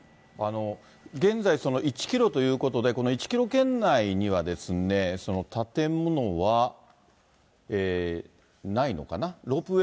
現在１キロということで、この１キロ圏内には、建物はないのかな。